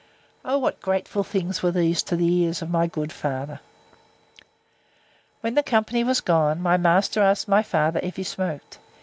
O what grateful things were these to the ears of my good father! When the company was gone, my master asked my father, if he smoked?